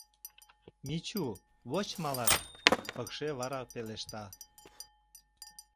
— Мичу... воч малаш, — пыкше вара пелешта.